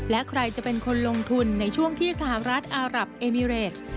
และใครจะเป็นคนลงทุนในช่วงที่สหรัฐอารับเอมิเรส